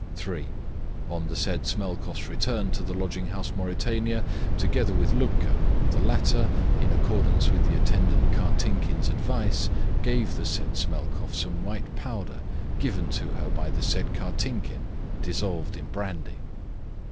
3. On the said Smelkoff's return to the lodging house Mauritania, together with Lubka, the latter, in accordance with the attendant Kartinkin's advice, gave the said Smelkoff some white powder given to her by the said Kartinkin, dissolved in brandy.